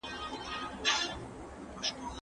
موږ باید په دې ځای کې پاتې شو.